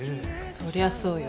そりゃそうよ